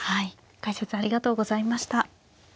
解説ありがとうございました。